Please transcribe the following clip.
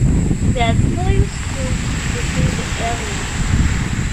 There are three schools within the area.